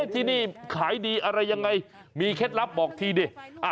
ที่นี่ขายดีอะไรยังไงมีเคล็ดลับบอกทีดิ